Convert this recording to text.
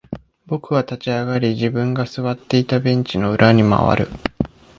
僕は立ち上がり、自分が座っていたベンチの裏に回る。